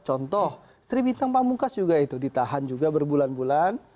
contoh sri bintang pamungkas juga itu ditahan juga berbulan bulan